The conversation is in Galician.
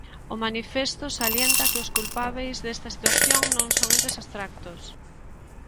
O manifesto salienta que os culpábeis desta situación non son entes abstractos.